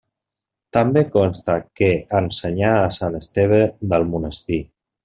També consta que ensenyà a Sant Esteve del Monestir.